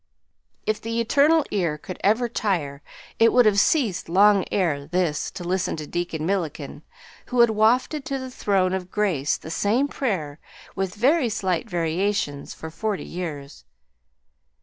If the Eternal Ear could ever tire it would have ceased long ere this to listen to Deacon Milliken, who had wafted to the throne of grace the same prayer, with very slight variations, for forty years.